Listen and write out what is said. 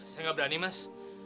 saya nggak berani mas